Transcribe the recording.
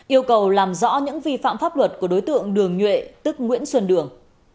yêu cầu làm rõ những vi phạm pháp luật của đối tượng đường nhuệ tức nguyễn xuân đường